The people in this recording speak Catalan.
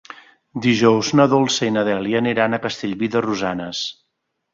Dijous na Dolça i na Dèlia aniran a Castellví de Rosanes.